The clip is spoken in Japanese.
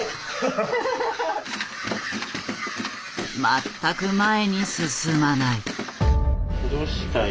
全く前に進まない。